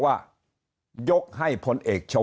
เพราะสุดท้ายก็นำไปสู่การยุบสภา